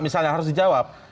misalnya harus dijawab